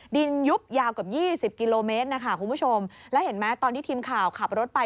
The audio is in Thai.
ยุบยาวเกือบ๒๐กิโลเมตรนะคะคุณผู้ชมแล้วเห็นไหมตอนที่ทีมข่าวขับรถไป